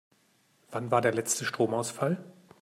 Wann war der letzte Stromausfall?